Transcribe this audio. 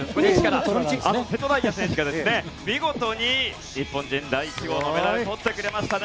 瀬戸大也選手が見事に日本人代表でメダルをとってくれましたね。